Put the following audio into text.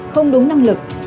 không đúng năng lực